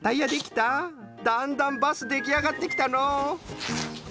だんだんバスできあがってきたのう。